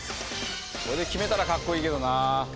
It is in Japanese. これで決めたらかっこいいけどな。